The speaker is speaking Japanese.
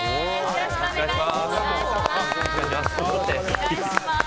よろしくお願いします。